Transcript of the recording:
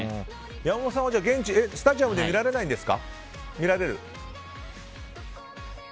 山本さんは、スタジアムで見られないんですか？